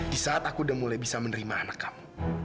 di saat aku udah mulai bisa menerima anak kamu